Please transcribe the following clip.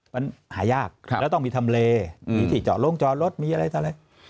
มันหายากแล้วต้องมีทำเลมีที่เจาะลงจอดรถมีอะไรต่ออะไร